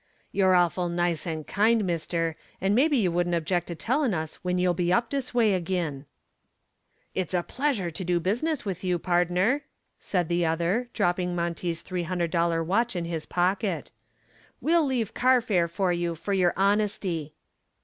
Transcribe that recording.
"You're awful nice and kind, mister, and maybe you wouldn't object to tellin' us when you'll be up dis way ag'in." "It's a pleasure to do business with you, pardner," said the other, dropping Monty's $300 watch in his pocket. "We'll leave car fare for you for your honesty."